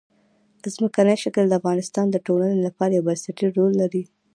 ځمکنی شکل د افغانستان د ټولنې لپاره یو بنسټيز رول لري.